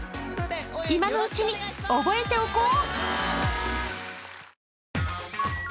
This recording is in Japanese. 今のうちに覚えておこう。